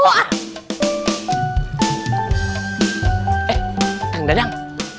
eh kang dadang